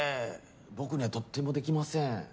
僕にはとってもできません。